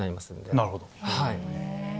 なるほど。